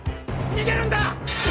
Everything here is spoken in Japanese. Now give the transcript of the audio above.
逃げるんだ！